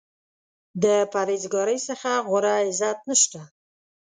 د پرهیز ګارۍ څخه غوره عزت نشته.